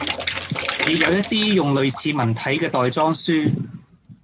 亦有一啲用類似文體嘅袋裝書